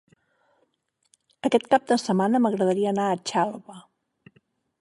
Aquest cap de setmana m'agradaria anar a Xelva.